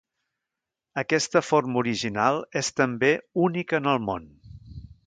Aquesta forma original és també única en el món.